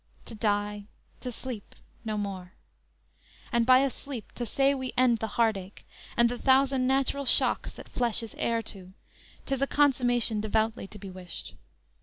To die, to sleep; No more; and by a sleep to say we end The heart ache, and the thousand natural shocks That flesh is heir to, 'tis a consummation Devoutly to be wished.